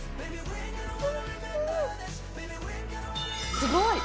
すごい！